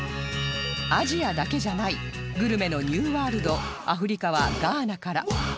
アジアだけじゃないグルメのニューワールドアフリカはガーナから